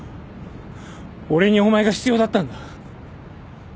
俺にお前が必要だったんだ。